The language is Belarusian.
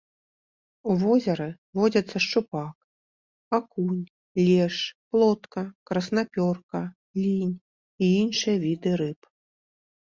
У возеры водзяцца шчупак, акунь, лешч, плотка, краснапёрка, лінь і іншыя віды рыб.